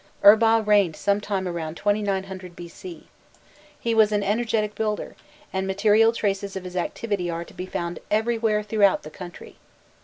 Urbau reigned some time about 2900 B.C. He was an energetic builder, and material traces of his activity are to be found everywhere throughout the country.